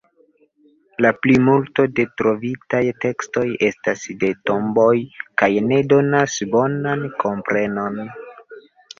La plimulto de trovitaj tekstoj estas de tomboj kaj ne donas bonan komprenon.